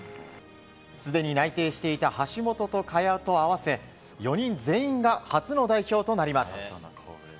すでに内定していた橋本と萱と合わせ４人全員が初の代表となります。